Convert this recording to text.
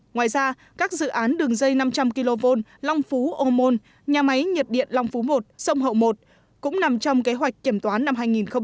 ngoài ra các dự án đường dây năm trăm linh kv long phú ô môn nhà máy nhiệt điện long phú một sông hậu một cũng nằm trong kế hoạch kiểm toán năm hai nghìn hai mươi